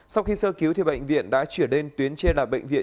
sau khi sơ cứu thì bệnh viện đã chuyển lên tuyến trên là bệnh viện